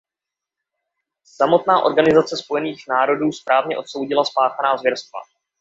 Samotná Organizace spojených národů správně odsoudila spáchaná zvěrstva.